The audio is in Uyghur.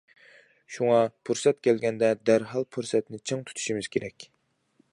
شۇڭا، پۇرسەت كەلگەندە، دەرھال پۇرسەتنى چىڭ تۇتۇشىمىز كېرەك.